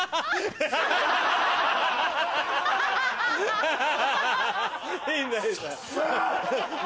ハハハ！